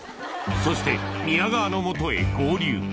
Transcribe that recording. そして宮川の元へ合流